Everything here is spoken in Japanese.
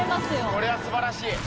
これはすばらしい。